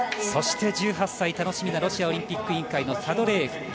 そして１８歳、楽しみなロシアオリンピック委員会のサドレーエフ。